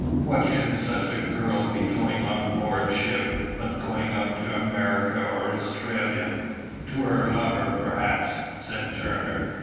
"What should such a girl be doing on board ship but going out to America or Australia to her lover, perhaps," said Turner.